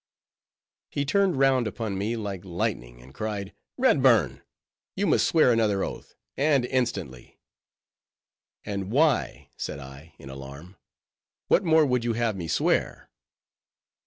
He turned round upon me like lightning, and cried, "Red burn! you must swear another oath, and instantly." "And why?" said I, in alarm, "what more would you have me swear?"